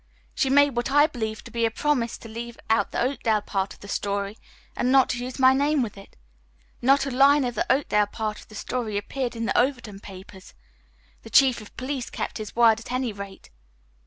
She made what I believed to be a promise to leave out the Oakdale part of the story and not to use my name within it. Not a line of the Oakdale part of the story appeared in the Overton papers. The chief of police kept his word, at any rate.